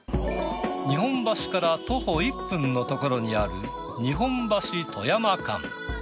日本橋から徒歩１分のところにある日本橋とやま館。